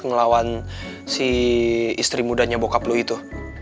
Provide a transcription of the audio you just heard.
ngelawan si istri mudanya bokap lo itu